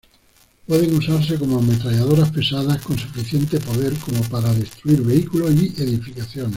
Pueden usarse como ametralladoras pesadas con suficiente poder como para destruir vehículos y edificaciones.